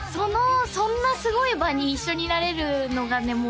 そんなすごい場に一緒になれるのがね